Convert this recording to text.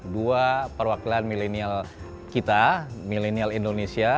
dua perwakilan milenial kita milenial indonesia